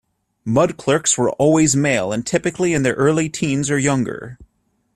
Mud clerks were always male, and typically in their early teens or younger.